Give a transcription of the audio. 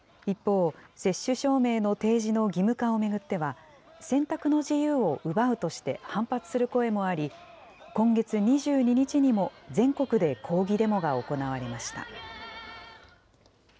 一方、接種証明の提示の義務化を巡っては、選択の自由を奪うとして反発する声もあり、今月２２日にも全国で抗議デモが行われました。